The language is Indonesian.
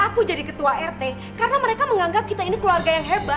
aku jadi ketua rt karena mereka menggunakan saya untuk menjaga kepentingan saya dan kepentingan saya